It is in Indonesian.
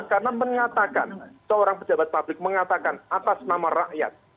karena mengatakan seorang pejabat publik mengatakan atas nama rakyat